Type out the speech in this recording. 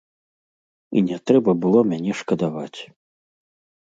І не трэба было мяне шкадаваць!